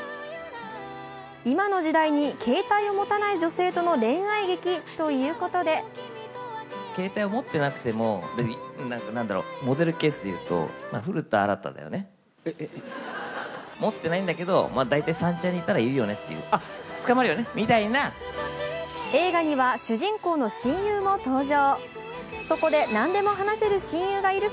今の時代に携帯を持たない女性との恋愛劇ということで映画には主人公の親友も登場。